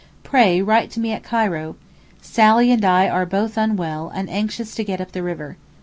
Pray write to me at Cairo. Sally and I are both unwell and anxious to get up the river.